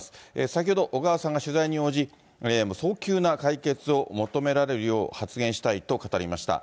先ほど、小川さんが取材に応じ、早急な解決を求められるよう発言したいと語りました。